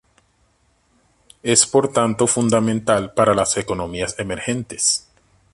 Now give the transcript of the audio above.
Es por tanto fundamental para las economías emergentes.